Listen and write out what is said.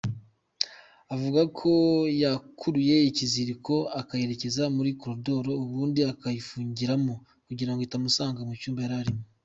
Avuga ko yakuruye ikiziriko akayerekeza muri corodori ubundi akayifungiramo kugirango itamusanga mu cyumba yarimo.